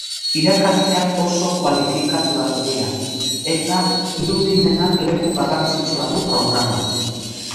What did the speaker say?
Irakasleak oso kualifikatuak dira eta irudimenak leku garrantzitsua du programan.